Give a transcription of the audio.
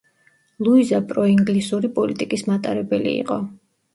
ლუიზა პროინგლისური პოლიტიკის მატარებელი იყო.